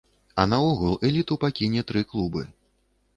А наогул эліту пакіне тры клубы.